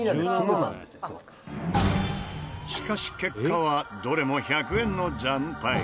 しかし結果はどれも１００円の惨敗。